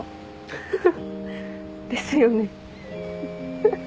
フフフですよね。